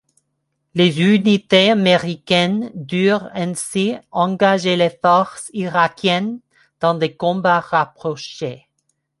Les unités américaines durent ainsi engager les forces irakiennes dans des combats rapprochés.